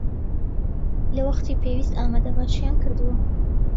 لە وەختی پێویست ئامادەباشییان کردووە